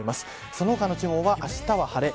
その他の地方は、あしたは晴れ。